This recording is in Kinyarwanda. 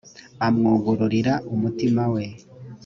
amwugururira umutima we